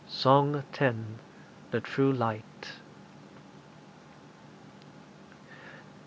SONG X. THE TRUE LIGHT.